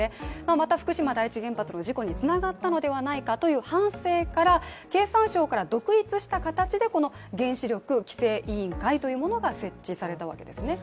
また、福島第一原発の事故につながったのではないかという反省から経産省から独立した形で原子力規制委員会というものが設置されたわけですね。